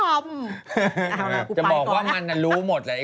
เอาล่ะจะบอกว่ามันน่ารู้หมดเลย